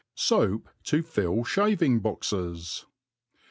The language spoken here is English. &oap to fill Shaving' Boxes.